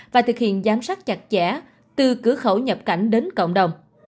và thực hiện giám sát chặt chẽ từ cửa khẩu nhập cảnh đến cộng đồng